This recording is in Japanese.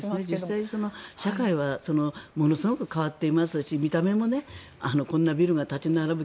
実際、社会はものすごく変わっていますし見た目もこんなビルが立ち並ぶ